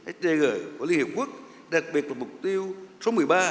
sdg của liên hợp quốc đặc biệt là mục tiêu số một mươi ba